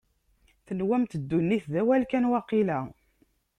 Tenwamt ddunit d awal kan, waqila?